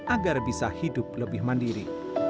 agar bisa hidup lebih mandiri